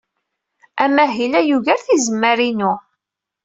Amahil-a yugar tizemmar-inu.